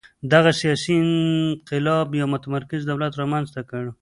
دغه سیاسي انقلاب یو متمرکز دولت رامنځته کړ.